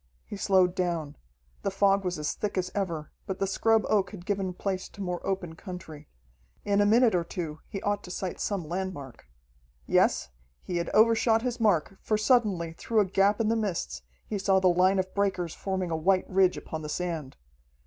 He slowed down. The fog was as thick as ever, but the scrub oak had given place to more open country. In a minute or two he ought to sight some landmark. Yes, he had overshot his mark, for suddenly, through a gap in the mists, he saw the line of breakers forming a white ridge upon the sand.